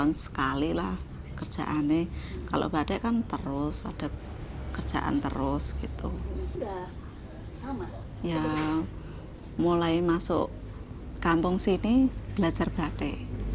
aslinya berada di wiro sari purwodadi